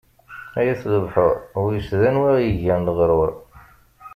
Ay at lebḥur, wiss d anwa i aɣ-yeggan leɣṛuṛ.